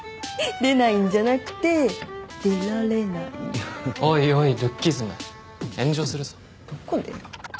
出ないんじゃなくて出られないははっおいおいルッキズム炎上するぞどこでよ？